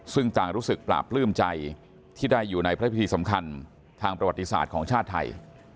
ซึ่งต่างรู้สึกปราบปลื้มใจที่ได้อยู่ในพระพิธีสำคัญทางประวัติศาสตร์ของชาติไทย